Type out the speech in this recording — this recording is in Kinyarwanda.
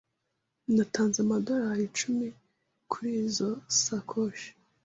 Natanze amadorari icumi kurizoi sakoshi.